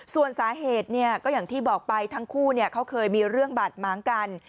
ส่วนสาเหตุก็อย่างที่บอกไปทั้งคู่เขาเคยมีเรื่องบาดม้างกัน